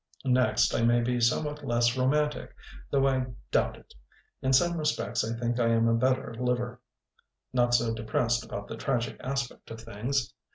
Next, I may be somewhat less romantic, though I doubt it. In some respects I think I am a better liver; not so depressed about the tragic aspect of things.